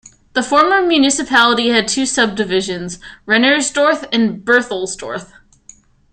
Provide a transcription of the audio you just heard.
The former municipality had two subdivisions: Rennersdorf and Berthelsdorf.